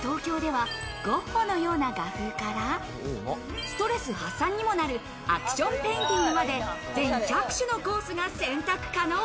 東京では、ゴッホのような画風から、ストレス発散にもなるアクション・ペインティングまで、全１００種のコースが選択可能。